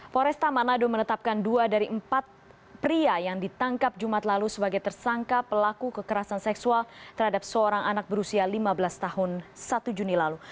foresta manado menetapkan dua dari empat pria yang ditangkap jumat lalu sebagai tersangka pelaku kekerasan seksual terhadap seorang anak berusia lima belas tahun satu juni lalu